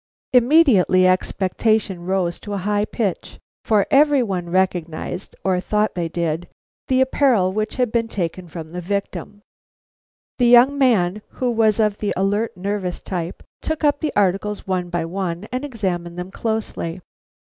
Immediately expectation rose to a high pitch, for every one recognized, or thought he did, the apparel which had been taken from the victim. The young man, who was of the alert, nervous type, took up the articles one by one and examined them closely.